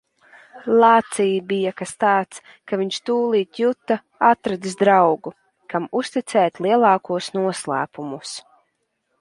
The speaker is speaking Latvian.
Lācī bija kas tāds, ka viņš tūlīt juta - atradis draugu, kam uzticēt lielākos noslēpumus.